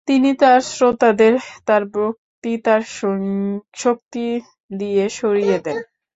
তিনি তার শ্রোতাদের তার বক্তৃতার শক্তি দিয়ে সরিয়ে দেন।